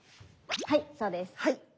はいそうです。